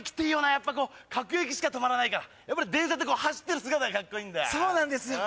やっぱ各駅しかとまらないからやっぱり電車って走ってる姿がカッコいいんだそうなんです